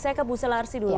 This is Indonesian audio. saya ke bu sularsi dulu